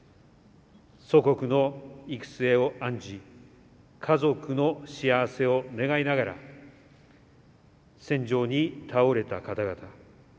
祖国の行く末を案じ家族の幸せを願いながら戦場に斃れた方々。